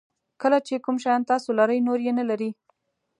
کله چې کوم شیان تاسو لرئ نور یې نه لري.